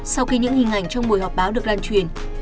sau khi những hình ảnh trong buổi họp báo được lan truyền